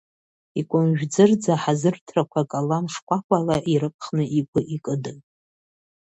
Икәымжәӡырӡ аҳазырҭрақәа калам шкәакәала ирыԥхны игәы икыдын.